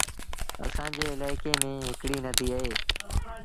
اسآݩ الآڪي ميݩ هڪڙيٚ نديٚ اهي۔